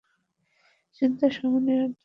চিন্তাসমূহ নিয়ন্ত্রিত ও সংযত করা যায়।